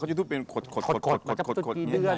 มันจะจุดกรุ่น